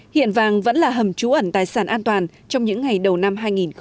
hiện vàng vẫn là hầm trú ẩn tài sản an toàn trong những ngày đầu năm hai nghìn hai mươi